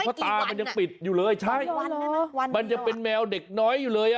เพราะตามันยังปิดอยู่เลยใช่มันยังเป็นแมวเด็กน้อยอยู่เลยอ่ะ